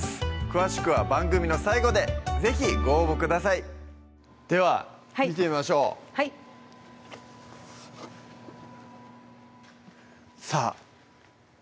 詳しくは番組の最後で是非ご応募くださいでは見てみましょうはいさぁ！